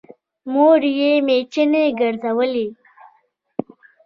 مور يې مېچنې ګرځولې